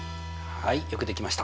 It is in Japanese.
はいよくできました。